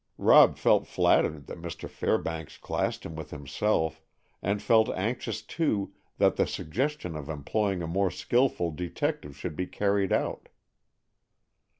Rob felt flattered that Mr. Fairbanks classed him with himself, and felt anxious too that the suggestion of employing a more skilful detective should be carried out.